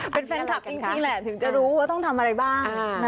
เป็นแฟนคลับจริงแหละถึงจะรู้ว่าต้องทำอะไรบ้าง